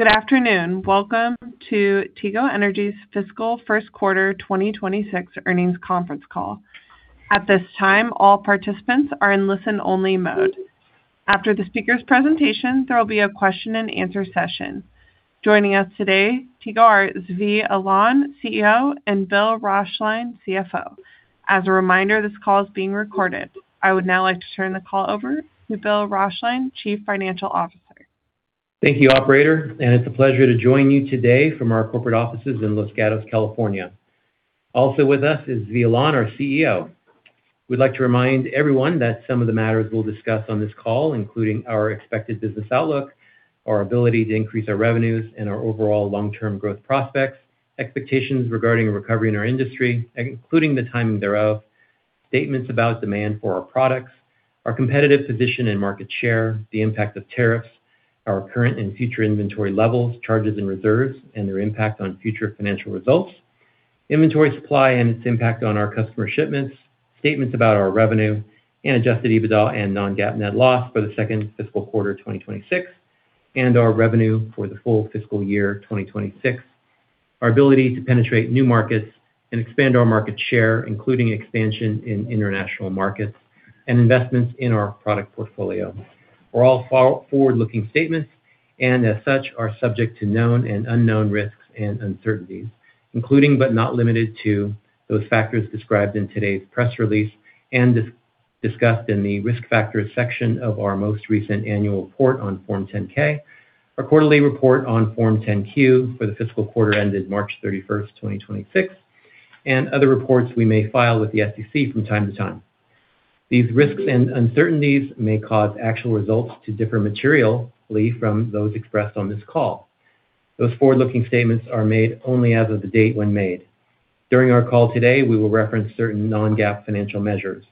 Good afternoon. Welcome to Tigo Energy's fiscal first quarter 2026 earnings conference call. At this time, all participants are in listen-only mode. After the speaker's presentation, there will be a question and answer session. Joining us today, Tigo are Zvi Alon, CEO, and Bill Roeschlein, CFO. As a reminder, this call is being recorded. I would now like to turn the call over to Bill Roeschlein, Chief Financial Officer. Thank you, operator, and it's a pleasure to join you today from our corporate offices in Los Gatos, California. Also with us is Zvi Alon, our CEO. We'd like to remind everyone that some of the matters we'll discuss on this call, including our expected business outlook, our ability to increase our revenues and our overall long-term growth prospects, expectations regarding a recovery in our industry, including the timing thereof, statements about demand for our products, our competitive position and market share, the impact of tariffs, our current and future inventory levels, charges and reserves, and their impact on future financial results, inventory supply and its impact on our customer shipments, statements about our revenue and adjusted EBITDA and non-GAAP net loss for the second fiscal quarter 2026, and our revenue for the full fiscal year 2026, our ability to penetrate new markets and expand our market share, including expansion in international markets and investments in our product portfolio. We're all forward-looking statements, and as such, are subject to known and unknown risks and uncertainties, including but not limited to those factors described in today's press release and discussed in the Risk Factors section of our most recent annual report on Form 10-K, our quarterly report on Form 10-Q for the fiscal quarter ended March 31st, 2026, and other reports we may file with the SEC from time to time. These risks and uncertainties may cause actual results to differ materially from those expressed on this call. Those forward-looking statements are made only as of the date when made. During our call today, we will reference certain non-GAAP financial measures.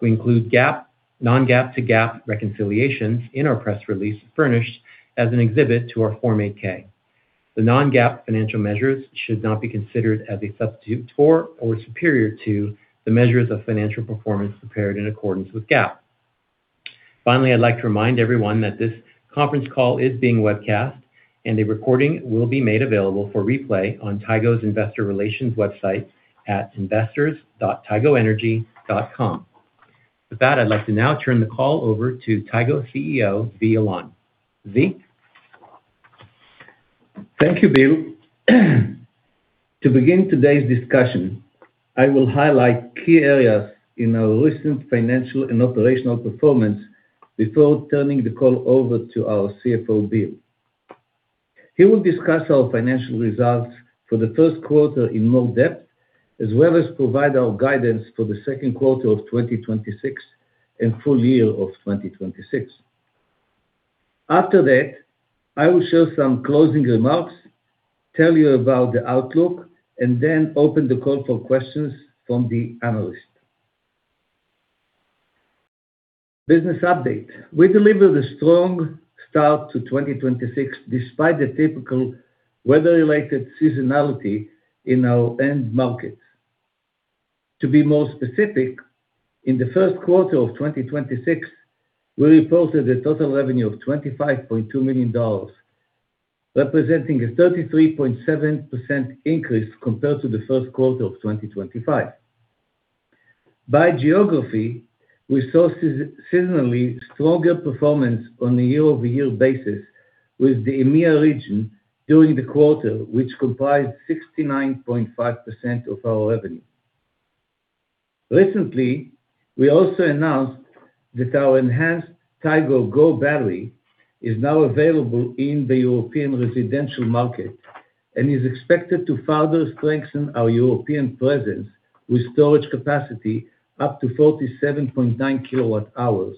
We include GAAP, non-GAAP to GAAP reconciliations in our press release furnished as an exhibit to our Form 8-K. The non-GAAP financial measures should not be considered as a substitute for or superior to the measures of financial performance prepared in accordance with GAAP. Finally, I'd like to remind everyone that this conference call is being webcast, and a recording will be made available for replay on Tigo's investor relations website at investors.tigoenergy.com. With that, I'd like to now turn the call over to Tigo CEO, Zvi Alon. Zvi? Thank you, Bill. To begin today's discussion, I will highlight key areas in our recent financial and operational performance before turning the call over to our CFO, Bill. He will discuss our financial results for the first quarter in more depth, as well as provide our guidance for the second quarter of 2026 and full year of 2026. After that, I will share some closing remarks, tell you about the outlook, and then open the call for questions from the analysts. Business update. We delivered a strong start to 2026, despite the typical weather-related seasonality in our end markets. To be more specific, in the first quarter of 2026, we reported a total revenue of $25.2 million, representing a 33.7% increase compared to the first quarter of 2025. By geography, we saw seasonally stronger performance on a year-over-year basis with the EMEA region during the quarter, which comprised 69.5% of our revenue. Recently, we also announced that our enhanced Tigo GO Battery is now available in the European residential market and is expected to further strengthen our European presence with storage capacity up to 47.9 kWh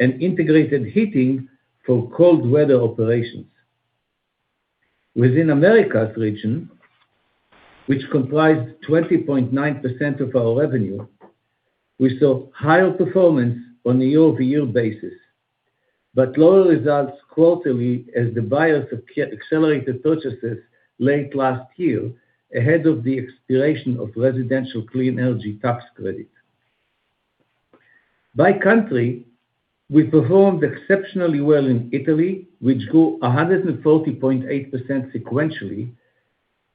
and integrated heating for cold weather operations. Within Americas region, which comprised 20.9% of our revenue, we saw higher performance on a year-over-year basis, but lower results quarterly as the buyers accelerated purchases late last year ahead of the expiration of Residential Clean Energy tax credit. By country, we performed exceptionally well in Italy, which grew 140.8% sequentially,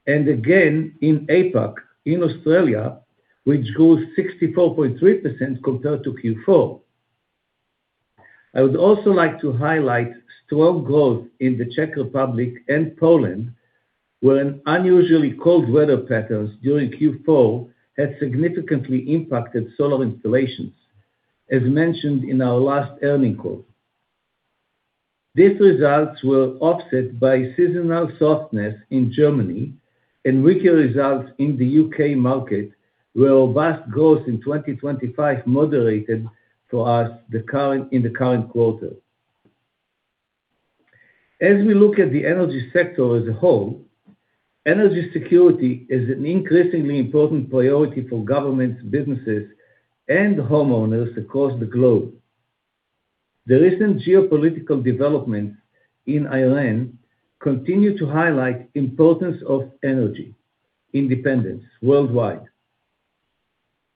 and again in APAC, in Australia, which grew 64.3% compared to Q4. I would also like to highlight strong growth in the Czech Republic and Poland, where an unusually cold weather patterns during Q4 had significantly impacted solar installations, as mentioned in our last earnings call. These results were offset by seasonal softness in Germany and weaker results in the U.K. market, where vast growth in 2025 moderated for us in the current quarter. As we look at the energy sector as a whole, energy security is an increasingly important priority for governments, businesses, and homeowners across the globe. The recent geopolitical developments in Iran continue to highlight importance of energy independence worldwide.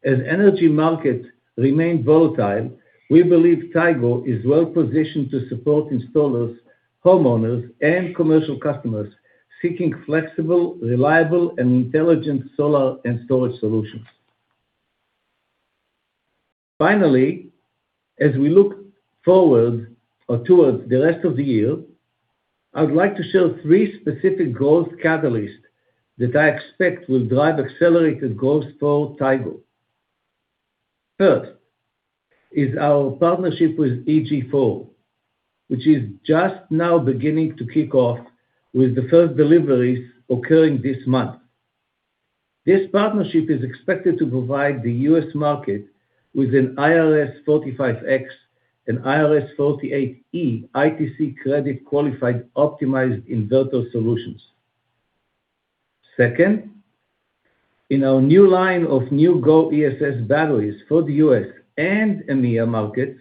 As energy markets remain volatile, we believe Tigo is well-positioned to support installers, homeowners, and commercial customers seeking flexible, reliable, and intelligent solar and storage solutions. Finally, as we look forward or towards the rest of the year, I would like to share three specific growth catalysts that I expect will drive accelerated growth for Tigo. First is our partnership with EG4, which is just now beginning to kick off with the first deliveries occurring this month. This partnership is expected to provide the U.S. market with an Section 45X and Section 48E ITC credit-qualified optimized inverter solutions. Second, in our new line of Tigo GO ESS batteries for the U.S. and EMEA markets,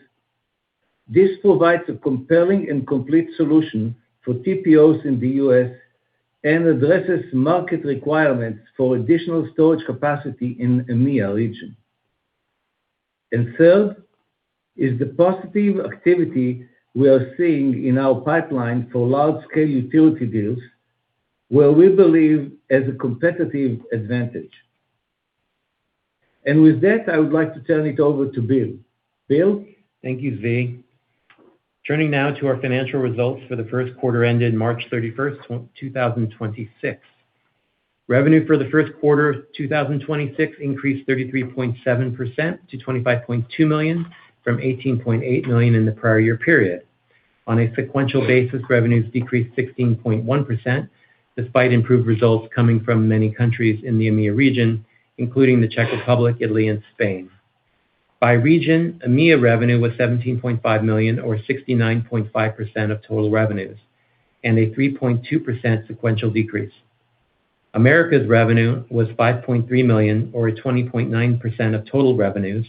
this provides a compelling and complete solution for TPOs in the U.S. and addresses market requirements for additional storage capacity in EMEA region. Third is the positive activity we are seeing in our pipeline for large-scale utility deals, where we believe as a competitive advantage. With that, I would like to turn it over to Bill. Bill? Thank you, Zvi. Turning now to our financial results for the first quarter ended March 31st, 2026. Revenue for the first quarter of 2026 increased 33.7% to $25.2 million from $18.8 million in the prior year period. On a sequential basis, revenues decreased 16.1%, despite improved results coming from many countries in the EMEA region, including the Czech Republic, Italy, and Spain. By region, EMEA revenue was $17.5 million, or 69.5% of total revenues, and a 3.2% sequential decrease. Americas revenue was $5.3 million, or a 20.9% of total revenues,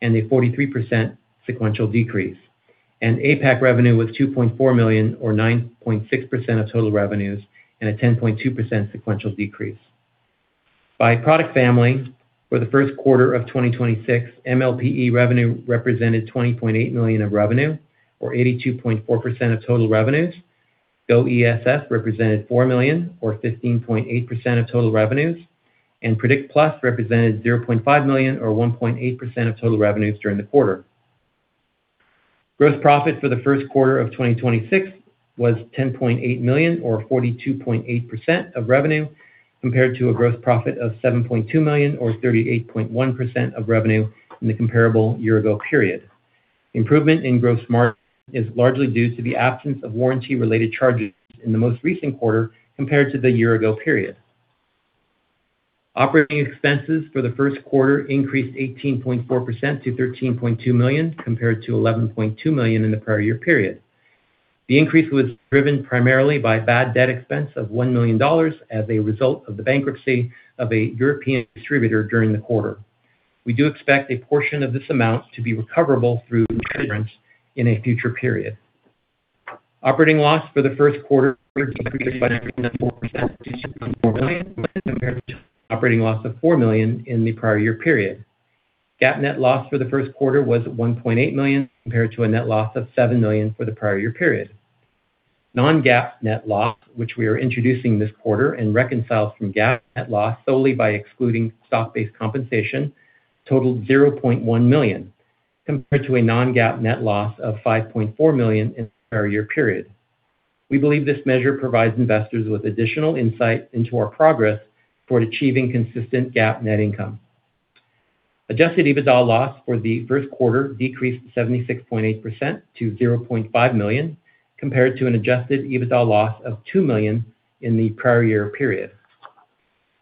and a 43% sequential decrease. APAC revenue was $2.4 million, or 9.6% of total revenues, and a 10.2% sequential decrease. By product family, for the first quarter of 2026, MLPE revenue represented $20.8 million of revenue or 82.4% of total revenues. GO ESS represented $4 million or 15.8% of total revenues. Predict+ represented $0.5 million or 1.8% of total revenues during the quarter. Gross profit for the first quarter of 2026 was $10.8 million or 42.8% of revenue, compared to a gross profit of $7.2 million or 38.1% of revenue in the comparable year-ago period. Improvement in gross margin is largely due to the absence of warranty-related charges in the most recent quarter compared to the year-ago period. Operating expenses for the first quarter increased 18.4% to $13.2 million compared to $11.2 million in the prior year period. The increase was driven primarily by bad debt expense of $1 million as a result of the bankruptcy of a European distributor during the quarter. We do expect a portion of this amount to be recoverable through insurance in a future period. Operating loss for the first quarter decreased by 19.4% to $4 million compared to operating loss of $4 million in the prior year period. GAAP net loss for the first quarter was $1.8 million compared to a net loss of $7 million for the prior year period. Non-GAAP net loss, which we are introducing this quarter and reconciles from GAAP net loss solely by excluding stock-based compensation, totaled $0.1 million compared to a non-GAAP net loss of $5.4 million in the prior year period. We believe this measure provides investors with additional insight into our progress toward achieving consistent GAAP net income. Adjusted EBITDA loss for the first quarter decreased 76.8% to $0.5 million, compared to an Adjusted EBITDA loss of $2 million in the prior year period.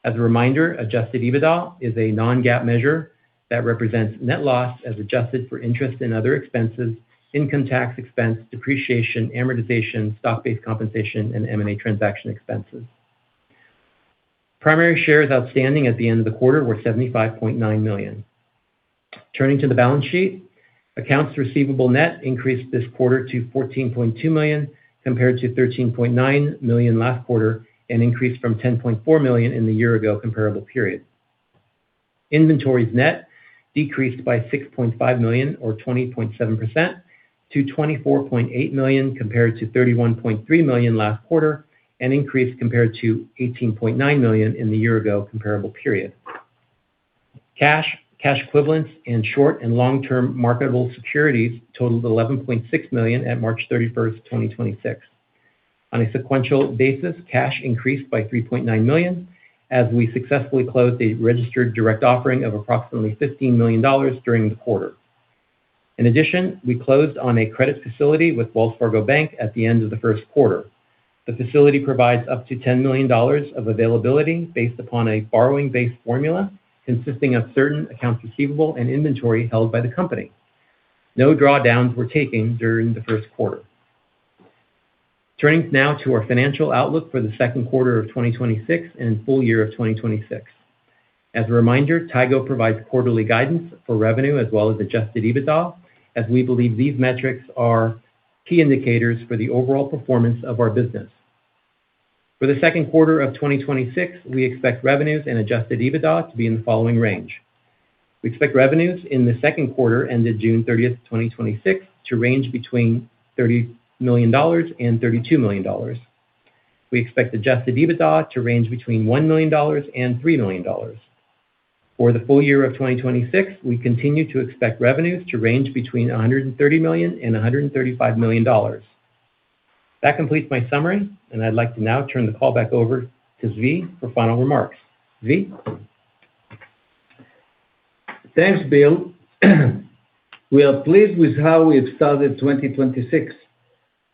As a reminder, Adjusted EBITDA is a non-GAAP measure that represents net loss as adjusted for interest and other expenses, income tax expense, depreciation, amortization, stock-based compensation, and M&A transaction expenses. Primary shares outstanding at the end of the quarter were $75.9 million. Turning to the balance sheet, accounts receivable net increased this quarter to $14.2 million compared to $13.9 million last quarter and increased from $10.4 million in the year-ago comparable period. Inventories net decreased by $6.5 million or 20.7% to $24.8 million compared to $31.3 million last quarter and increased compared to $18.9 million in the year-ago comparable period. Cash, cash equivalents, and short and long-term marketable securities totaled $11.6 million at March 31st, 2026. On a sequential basis, cash increased by $3.9 million as we successfully closed a registered direct offering of approximately $15 million during the quarter. In addition, we closed on a credit facility with Wells Fargo Bank at the end of the first quarter. The facility provides up to $10 million of availability based upon a borrowing base formula consisting of certain accounts receivable and inventory held by the company. No drawdowns were taken during the first quarter. Turning now to our financial outlook for the second quarter of 2026 and full year of 2026. As a reminder, Tigo provides quarterly guidance for revenue as well as adjusted EBITDA, as we believe these metrics are key indicators for the overall performance of our business. For the second quarter of 2026, we expect revenues and adjusted EBITDA to be in the following range. We expect revenues in the second quarter ended June 30th, 2026 to range between $30 million and $32 million. We expect adjusted EBITDA to range between $1 million and $3 million. For the full year of 2026, we continue to expect revenues to range between $130 million and $135 million. That completes my summary, I'd like to now turn the call back over to Zvi for final remarks. Zvi? Thanks, Bill. We are pleased with how we have started 2026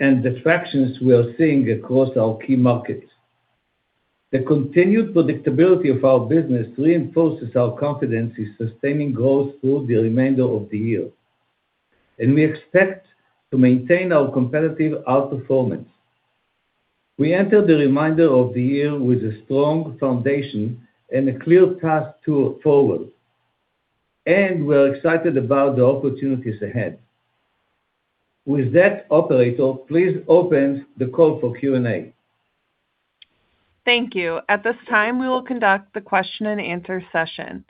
and the traction we are seeing across our key markets. The continued predictability of our business reinforces our confidence in sustaining growth through the remainder of the year, and we expect to maintain our competitive outperformance. We enter the remainder of the year with a strong foundation and a clear path to follow, and we're excited about the opportunities ahead. With that, operator, please open the call for Q&A. Thank you. At this time, we will conduct the question and answer session.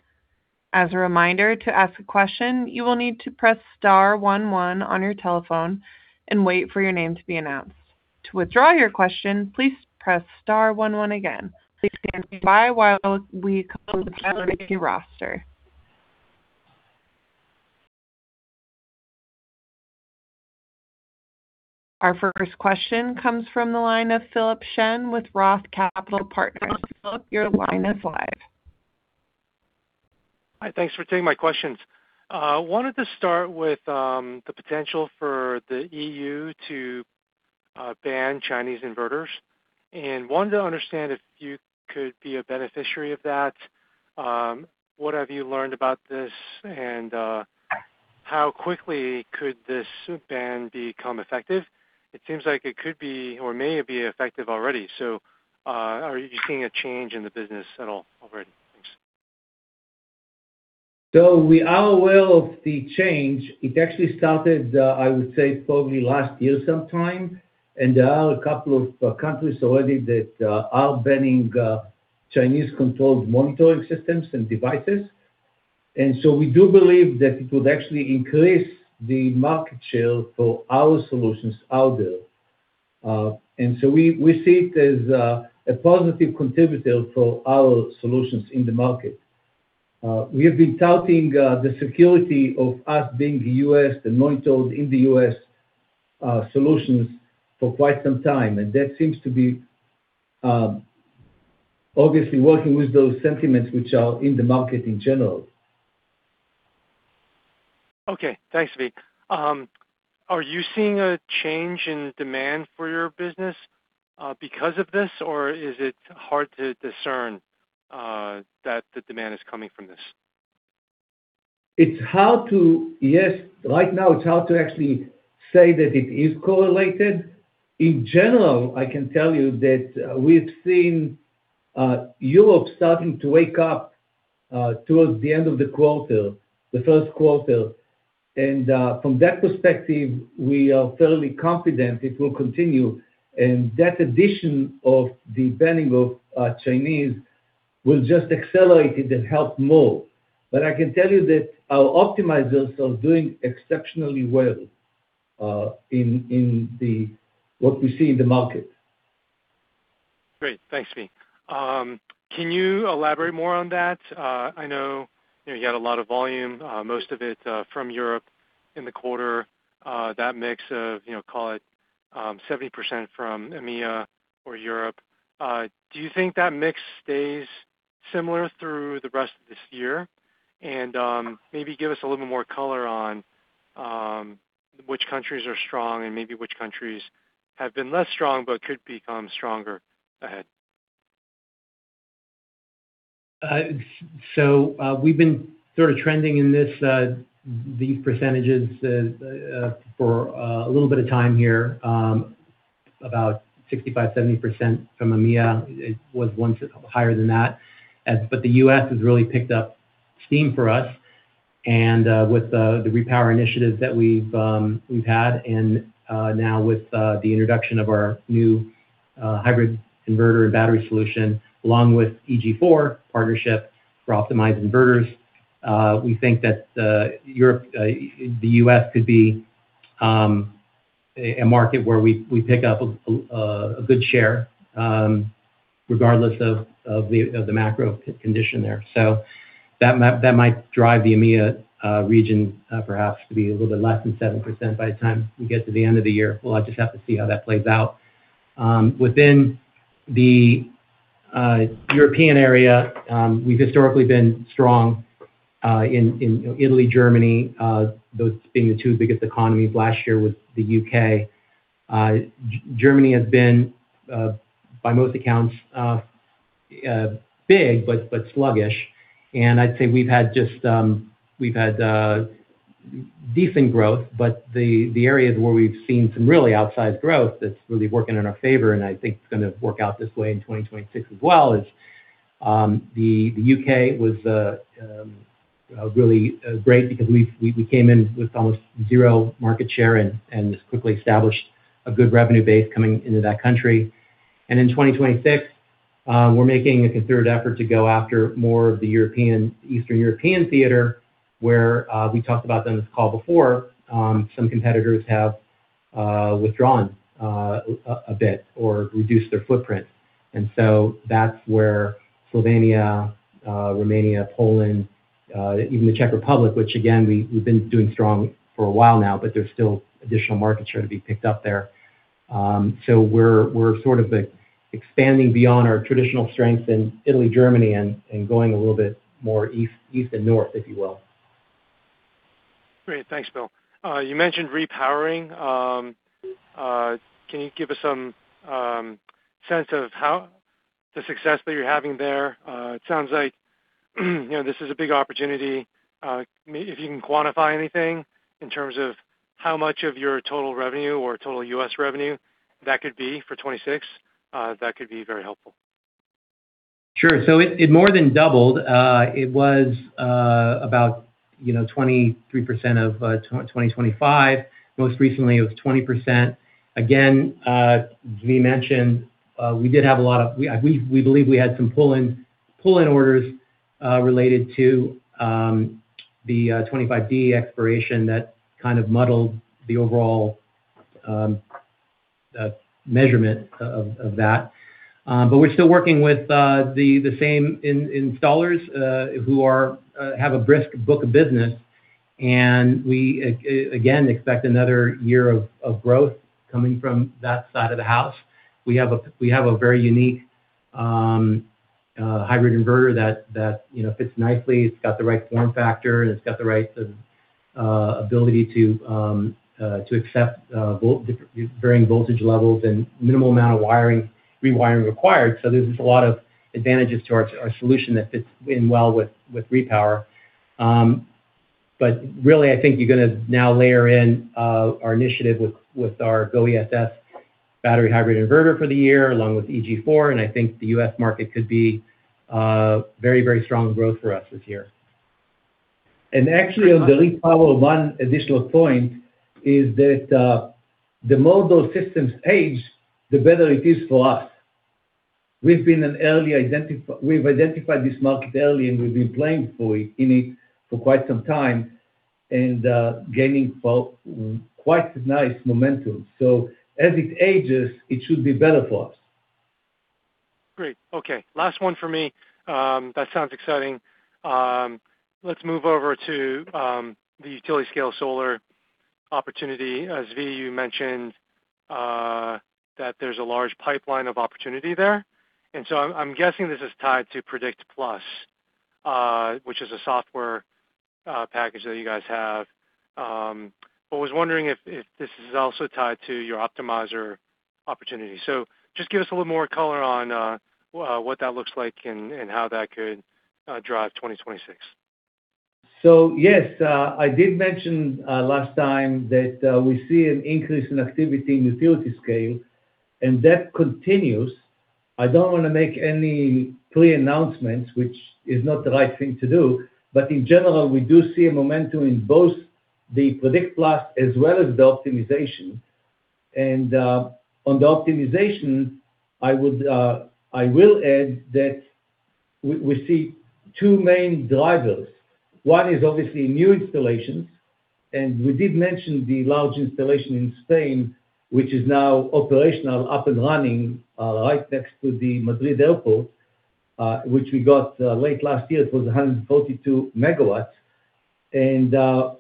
As a reminder, to ask a question, you will need to press star one one on your telephone and wait for your name to be announced. To withdraw your question, please press star one one again. Please stand by while we compile the speaker roster. Our first question comes from the line of Philip Shen with ROTH Capital Partners. Philip, your line is live. Hi, thanks for taking my questions. wanted to start with the potential for the EU to ban Chinese inverters and wanted to understand if you could be a beneficiary of that. What have you learned about this, and how quickly could this ban become effective? It seems like it could be or may be effective already. Are you seeing a change in the business at all already? Thanks. We are aware of the change. It actually started, I would say probably last year sometime, and there are two countries already that are banning Chinese-controlled monitoring systems and devices. We do believe that it would actually increase the market share for our solutions out there. We see it as a positive contributor for our solutions in the market. We have been touting the security of us being the U.S., the monitoring in the U.S., solutions for quite some time, and that seems to be obviously working with those sentiments which are in the market in general. Okay. Thanks, Zvi. Are you seeing a change in demand for your business because of this, or is it hard to discern that the demand is coming from this? Yes. Right now, it is hard to actually say that it is correlated. In general, I can tell you that we have seen Europe starting to wake up towards the end of the quarter, the first quarter. From that perspective, we are fairly confident it will continue, and that addition of the banning of Chinese will just accelerate it and help more. I can tell you that our optimizers are doing exceptionally well in the market. Great. Thanks, Zvi. Can you elaborate more on that? I know, you know, you had a lot of volume, most of it from Europe in the quarter. That mix of, you know, call it, 70% from EMEA or Europe. Do you think that mix stays similar through the rest of this year? Maybe give us a little more color on which countries are strong and maybe which countries have been less strong but could become stronger ahead. We've been sort of trending in these percentages for a little bit of time here, about 65%-70% from EMEA. It was once higher than that. The U.S. has really picked up steam for us and with the Repowering that we've had and now with the introduction of our new hybrid inverter and battery solution, along with EG4 partnership for optimized inverters, we think that Europe, the U.S. could be a market where we pick up a good share regardless of the macro condition there. That might drive the EMEA region perhaps to be a little bit less than 7% by the time we get to the end of the year. We'll just have to see how that plays out. Within the European area, we've historically been strong in Italy, Germany, those being the two biggest economies last year with the U.K. Germany has been by most accounts big but sluggish. I'd say we've had decent growth, but the areas where we've seen some really outsized growth that's really working in our favor, and I think it's gonna work out this way in 2026 as well, is the U.K. was really great because we came in with almost zero market share and just quickly established a good revenue base coming into that country. In 2026, we're making a concerted effort to go after more of the Eastern European theater, where we talked about them this call before, some competitors have withdrawn a bit or reduced their footprint. That's where Slovenia, Romania, Poland, even the Czech Republic, which again, we've been doing strong for a while now, but there's still additional market share to be picked up there. We're sort of, like, expanding beyond our traditional strength in Italy, Germany, and going a little bit more east and north, if you will. Great. Thanks, Bill. You mentioned Repowering. Can you give us some sense of how the success that you're having there? It sounds like, you know, this is a big opportunity. If you can quantify anything in terms of how much of your total revenue or total U.S. revenue that could be for 2026, that could be very helpful. Sure. It more than doubled. It was about, you know, 23% of Section 25D. Most recently, it was 20%. Again, Zvi mentioned, we believe we had some pull-in orders related to the Section 25D expiration that kind of muddled the overall measurement of that. We're still working with the same installers, who have a brisk book of business. We again expect another year of growth coming from that side of the house. We have a very unique hybrid inverter that, you know, fits nicely. It's got the right form factor, and it's got the right ability to accept varying voltage levels and minimal amount of wiring, rewiring required. There's just a lot of advantages to our solution that fits in well with Repower. Really, I think you're gonna now layer in our initiative with our GO ESS battery hybrid inverter for the year, along with EG4, and I think the U.S. market could be very, very strong growth for us this year. Actually, on the Repowering, one additional point is that the more those systems age, the better it is for us. We've identified this market early, and we've been playing in it for quite some time and gaining quite nice momentum. As it ages, it should be better for us. Great. Okay. Last one for me. That sounds exciting. Let's move over to the utility scale solar opportunity. Zvi, you mentioned that there's a large pipeline of opportunity there. I'm guessing this is tied to Predict+, which is a software package that you guys have. Was wondering if this is also tied to your optimizer opportunity. Just give us a little more color on what that looks like and how that could drive 2026. Yes, I did mention last time that we see an increase in activity in utility scale, and that continues. I don't want to make any pre-announcements, which is not the right thing to do, but in general, we do see a momentum in both the Predict+ as well as the optimization. On the optimization, I would add that we see two main drivers. One is obviously new installations, and we did mention the large installation in Spain, which is now operational, up and running, right next to the Madrid Airport, which we got late last year. It was 142 MW.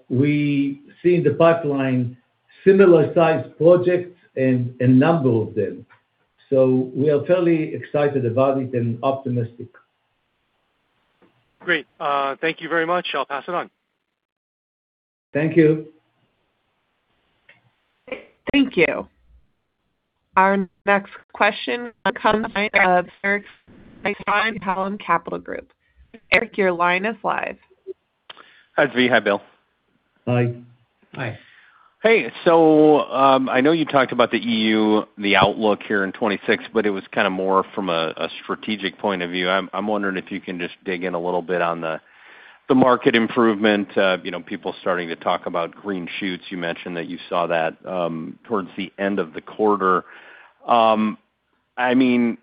We see in the pipeline similar sized projects and number of them. We are fairly excited about it and optimistic. Great. Thank you very much. I'll pass it on. Thank you. Thank you. Our next question comes from Eric Stine with Craig-Hallum Capital Group. Eric, your line is live. Hi, Zvi. Hi, Bill. Hi. Hi. Hey. I know you talked about the EU, the outlook here in 2026, but it was kind of more from a strategic point of view. I'm wondering if you can just dig in a little bit on the market improvement. You know, people starting to talk about green shoots. You mentioned that you saw that towards the end of the quarter. I mean,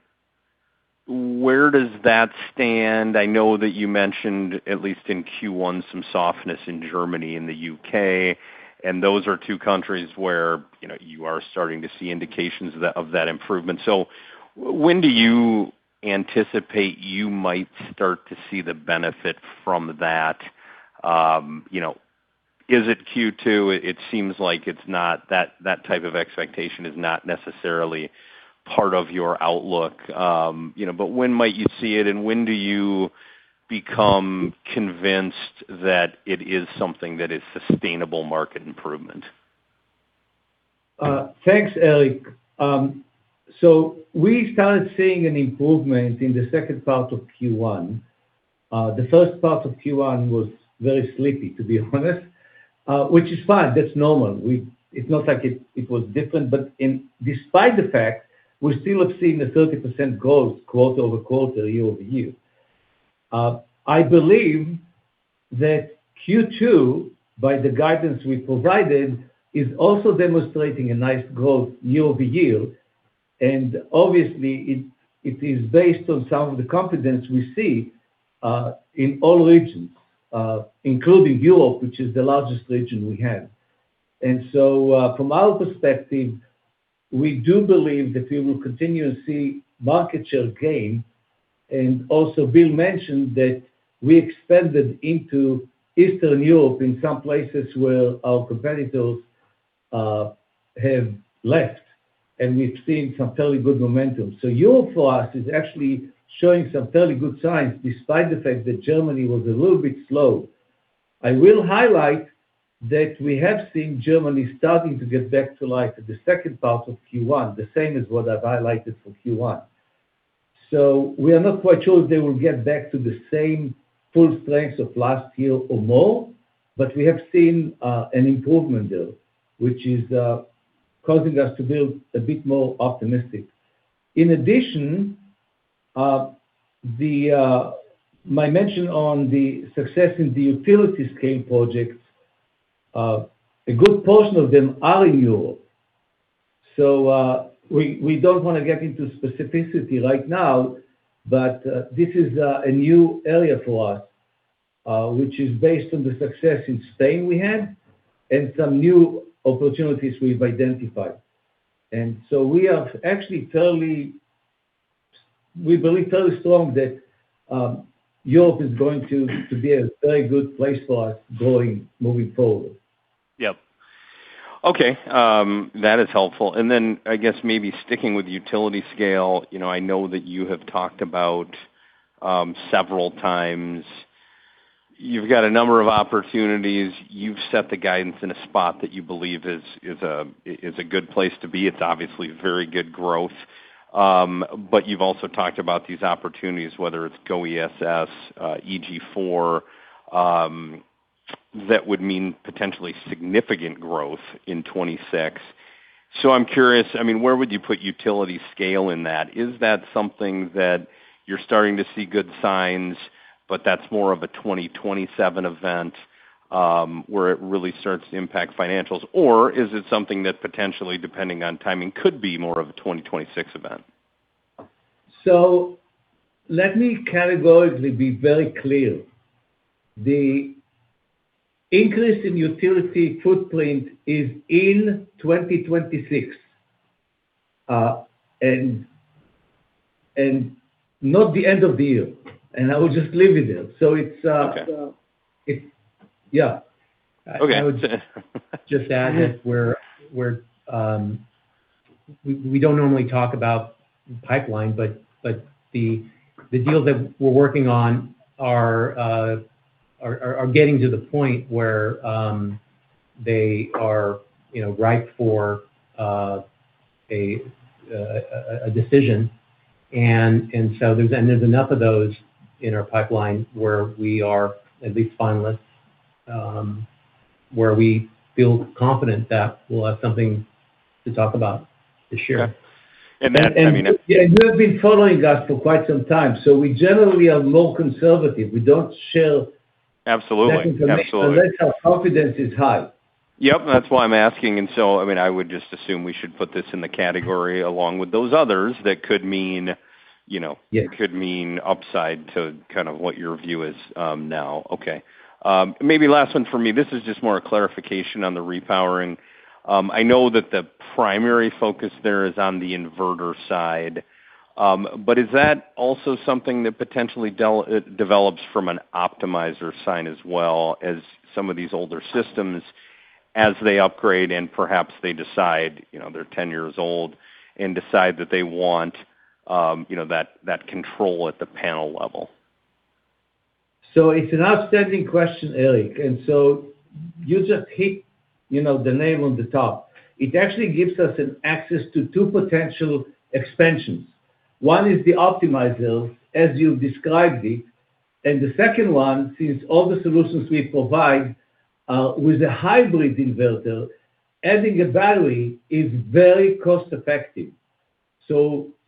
where does that stand? I know that you mentioned, at least in Q1, some softness in Germany and the U.K., and those are two countries where, you know, you are starting to see indications of that improvement. When do you anticipate you might start to see the benefit from that? You know, is it Q2? It seems like that type of expectation is not necessarily part of your outlook. You know, when might you see it, and when do you become convinced that it is something that is sustainable market improvement? Thanks, Eric. So we started seeing an improvement in the second part of Q1. The first part of Q1 was very sleepy, to be honest, which is fine. That's normal. It's not like it was different. Despite the fact, we still have seen a 30% growth quarter-over-quarter, year-over-year. I believe that Q2, by the guidance we provided, is also demonstrating a nice growth year-over-year, and obviously, it is based on some of the confidence we see in all regions, including Europe, which is the largest region we have. From our perspective, we do believe that we will continue to see market share gain. Also, Bill mentioned that we expanded into Eastern Europe in some places where our competitors have left, and we've seen some fairly good momentum. Europe for us is actually showing some fairly good signs despite the fact that Germany was a little bit slow. I will highlight that we have seen Germany starting to get back to life at the H2 of Q1, the same as what I've highlighted for Q1. We are not quite sure they will get back to the same full strength of last year or more, but we have seen an improvement there, which is causing us to feel a bit more optimistic. In addition, my mention on the success in the utility scale projects, a good portion of them are in Europe. We don't wanna get into specificity right now, but this is a new area for us, which is based on the success in Spain we had and some new opportunities we've identified. We believe fairly strong that Europe is going to be a very good place for us going, moving forward. Yep. Okay. That is helpful. I guess maybe sticking with utility scale, you know, I know that you have talked about several times, you've got a number of opportunities. You've set the guidance in a spot that you believe is a good place to be. It's obviously very good growth. You've also talked about these opportunities, whether it's GO ESS, EG4, that would mean potentially significant growth in 2026. I'm curious, I mean, where would you put utility scale in that? Is that something that you're starting to see good signs, but that's more of a 2027 event, where it really starts to impact financials? Or is it something that potentially, depending on timing, could be more of a 2026 event? Let me categorically be very clear. The increase in utility footprint is in 2026, and not the end of the year, and I will just leave it there. Okay. It Yeah. Okay. I would just add that we're, we don't normally talk about pipeline, but the deals that we're working on are getting to the point where they are, you know, ripe for a decision. There's enough of those in our pipeline where we are at least finalists where we feel confident that we'll have something to talk about this year. Yeah. You have been following us for quite some time, so we generally are more conservative. We don't share unless our confidence is high. Yep. That's why I'm asking. I mean, I would just assume we should put this in the category along with those others that could mean upside to kind of what your view is, now. Okay. Maybe last one for me. This is just more a clarification on the Repowering. I know that the primary focus there is on the inverter side, but is that also something that potentially develops from an optimizer side as well as some of these older systems as they upgrade and perhaps they decide, you know, they're 10 years old and decide that they want, you know, that control at the panel level? It's an outstanding question, Eric. You just hit, you know, the nail on the head. It actually gives us an access to two potential expansions. One is the optimizer, as you described it, and the second one is all the solutions we provide with a hybrid inverter, adding a battery is very cost-effective.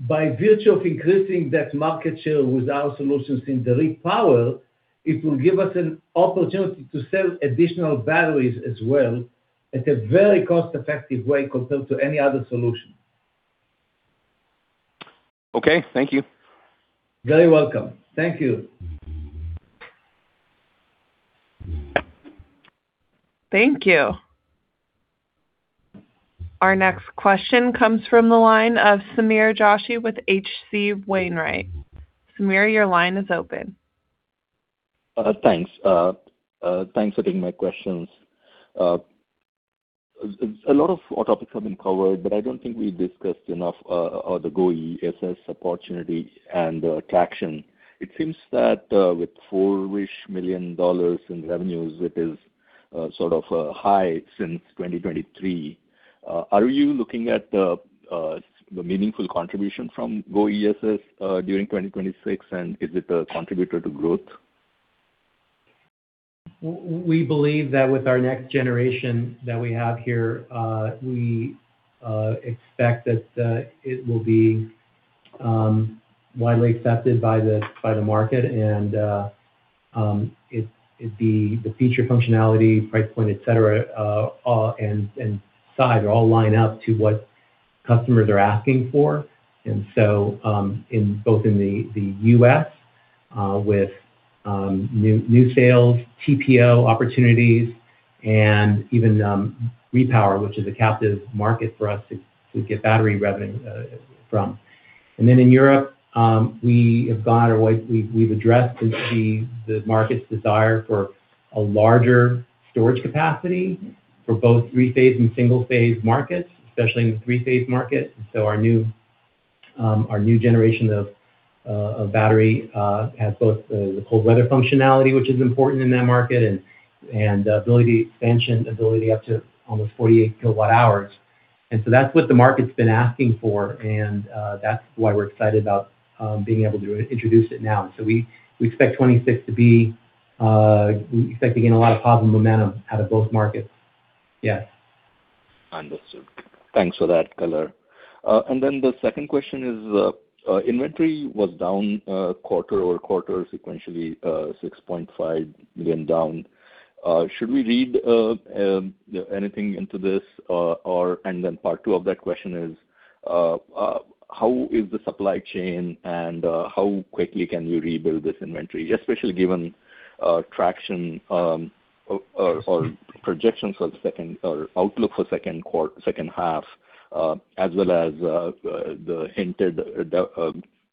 By virtue of increasing that market share with our solutions in the Repower, it will give us an opportunity to sell additional batteries as well at a very cost-effective way compared to any other solution. Okay. Thank you. Very welcome. Thank you. Thank you. Our next question comes from the line of Sameer Joshi with H.C. Wainwright. Sameer, your line is open. Thanks. Thanks for taking my questions. A lot of our topics have been covered, but I don't think we discussed enough the GO ESS opportunity and traction. It seems that, with $4 million in revenues, it is sort of high since 2023. Are you looking at the meaningful contribution from GO ESS during 2026, and is it a contributor to growth? We believe that with our next generation that we have here, we expect that it will be widely accepted by the market and the feature functionality, price point, et cetera, and size all line up to what customers are asking for. In both in the U.S., with new sales, TPO opportunities, and even Repowering, which is a captive market for us to get battery revenue from. In Europe, we have gone or we've addressed the market's desire for a larger storage capacity for both three-phase and single-phase markets, especially in the three-phase market. Our new generation of battery has both the cold weather functionality, which is important in that market, and ability expansion, ability up to almost 48 kWh. That's what the market's been asking for, and that's why we're excited about being able to introduce it now. We expect 2026 to be, we expect to gain a lot of positive momentum out of both markets. Yes. Understood. Thanks for that color. The second question is, inventory was down quarter-over-quarter sequentially, $6.5 million down. Should we read anything into this? Part two of that question is, how is the supply chain and how quickly can you rebuild this inventory? Especially given traction or projections for second or outlook for H2, as well as the hinted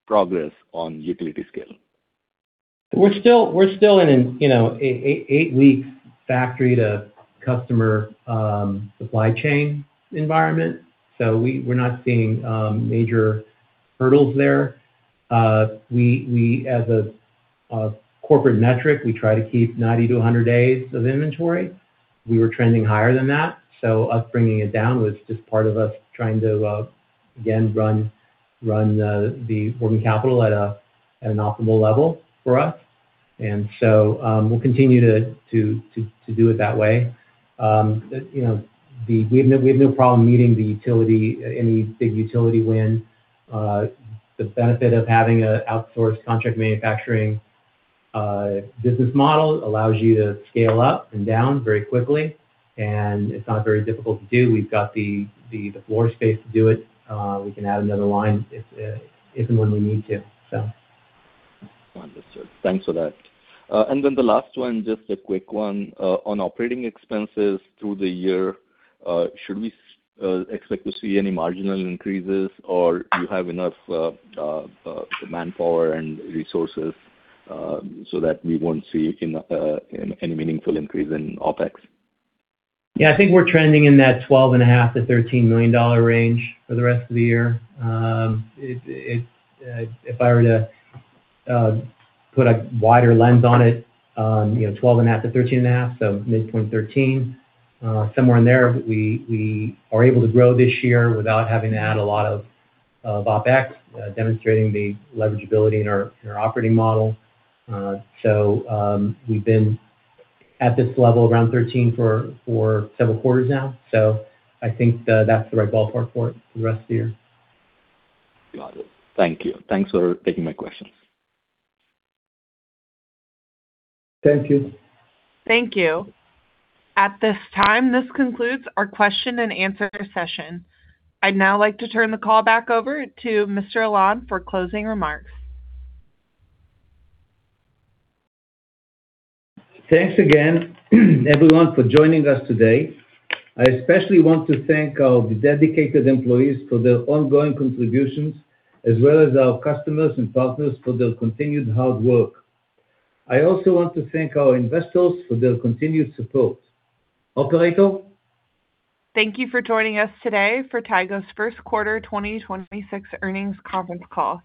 progress on utility scale. We're still in, you know, an eight-week factory to customer supply chain environment, so we're not seeing major hurdles there. We as a corporate metric, we try to keep 90 to 100 days of inventory. We were trending higher than that, us bringing it down was just part of us trying to again, run the working capital at an optimal level for us. We'll continue to do it that way. You know, we have no problem meeting the utility, any big utility win. The benefit of having an outsourced contract manufacturing business model allows you to scale up and down very quickly, it's not very difficult to do. We've got the floor space to do it. We can add another line if and when we need to. Understood. Thanks for that. The last one, just a quick one. On operating expenses through the year, should we expect to see any marginal increases, or you have enough manpower and resources, so that we won't see any meaningful increase in OpEx? I think we're trending in that $12.5 million-$13 million range for the rest of the year. If I were to put a wider lens on it, you know, $12.5 million-$13.5 million, so midpoint 13, somewhere in there. We are able to grow this year without having to add a lot of OpEx, demonstrating the leverageability in our operating model. We've been at this level around $13 million for several quarters now, I think that's the right ballpark for it for the rest of the year. Got it. Thank you. Thanks for taking my questions. Thank you. Thank you. At this time, this concludes our question and answer session. I'd now like to turn the call back over to Mr. Alon for closing remarks. Thanks again, everyone, for joining us today. I especially want to thank our dedicated employees for their ongoing contributions, as well as our customers and partners for their continued hard work. I also want to thank our investors for their continued support. Operator? Thank you for joining us today for Tigo's first quarter 2026 earnings conference call.